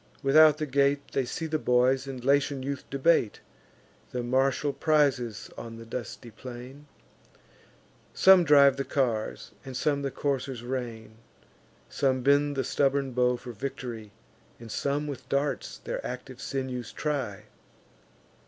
Without the gate, They see the boys and Latian youth debate The martial prizes on the dusty plain: Some drive the cars, and some the coursers rein; Some bend the stubborn bow for victory, And some with darts their active sinews try.